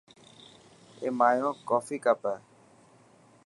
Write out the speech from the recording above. اي مايو ڪوفي ڪپ هي.